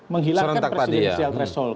menghilangkan presidensial threshold